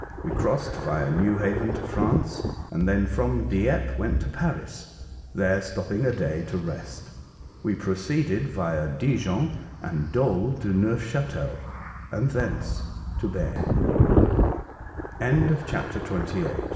We crossed via Newhaven to France, and then from Dieppe went to Paris. There stopping a day to rest, we proceeded via Dijon and Dol to Neufchatel, and thence to Ber